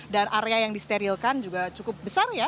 dan area yang disterilkan juga cukup besar ya